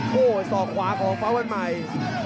โอ้โหสอกขวาของฟ้าวันใหม่